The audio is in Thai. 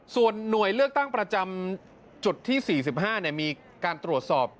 ส่วนหน่วยเลือกตั้งประจำจุดที่๔๕มีการตรวจสอบ